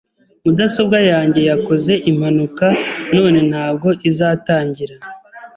Mudasobwa yanjye yakoze impanuka none ntabwo izatangira .